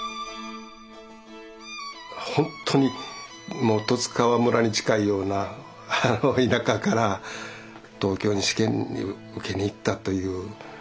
本当に十津川村に近いような田舎から東京に試験に受けに行ったという。